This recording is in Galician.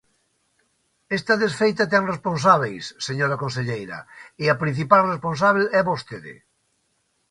Esta desfeita ten responsábeis, señora conselleira, e a principal responsábel é vostede.